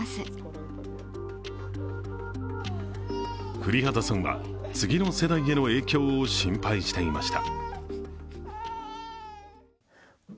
降籏さんは次の世代への影響を心配していました。